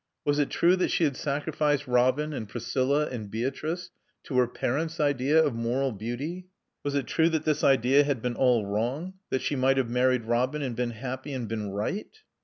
Was it true that she had sacrificed Robin and Priscilla and Beatrice to her parents' idea of moral beauty? Was it true that this idea had been all wrong? That she might have married Robin and been happy and been right?